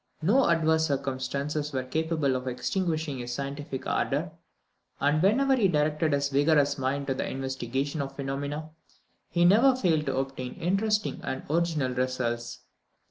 No adverse circumstances were capable of extinguishing his scientific ardour, and whenever he directed his vigorous mind to the investigation of phenomena, he never failed to obtain interesting and original results.